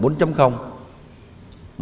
và các doanh nghiệp